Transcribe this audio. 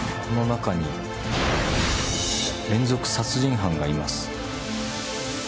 この中に連続殺人犯がいます。